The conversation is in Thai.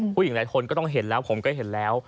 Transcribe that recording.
ผู้หญิงหลายคนก็ต้องเห็นแล้วผมก็เห็นแล้ว